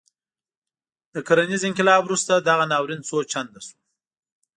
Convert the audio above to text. له کرنیز انقلاب وروسته دغه ناورین څو چنده شو.